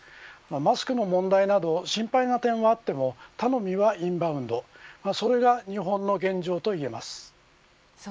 マスクの問題など心配な点はあっても頼みはインバウンドそれが日本の現状といえます。